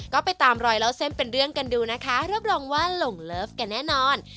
ก็ไปตามรอยเล่าเส้นเป็นเรื่องกันดูนะคะรับรองว่าหลงเลิฟกันแน่นอน